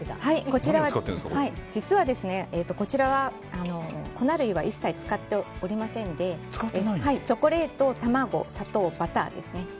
こちらは実は粉類は一切使っておりませんでチョコレート、卵、砂糖バターですね。